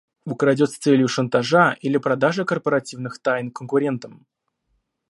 Украдет с целью шантажа или продажи корпоративных тайн конкурентам